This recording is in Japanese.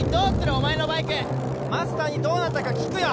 お前のバイクマスターにどうなったか聞くよ